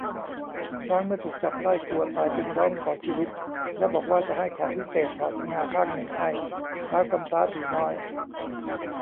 ช้างเมื่อถูกจับได้กลัวตาย จึงร้องขอชีวิตและบอกว่าจะให้ของวิเศษถอดงาข้างหนึ่งให้ ท้าวกำพร้าผีน้อย